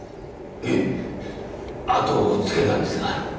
へい後をつけたんですが。